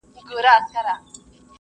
ژمنې باید په خورا صداقت وساتل شي.